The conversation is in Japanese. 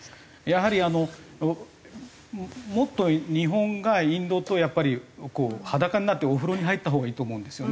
やはりあのもっと日本がインドとやっぱり裸になってお風呂に入ったほうがいいと思うんですよね。